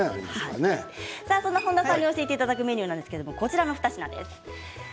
その本田さんに教えていただくメニューはこちらの２品です。